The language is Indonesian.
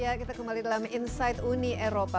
ya kita kembali dalam insight uni eropa